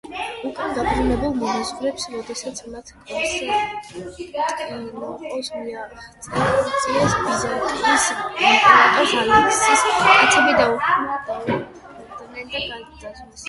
უკან გაბრუნებულ მონაზვნებს, როდესაც მათ კონსტანტინოპოლს მიაღწიეს, ბიზანტიის იმპერატორის, ალექსის კაცები დაუხვდნენ და გაძარცვეს.